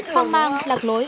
không mang lạc lối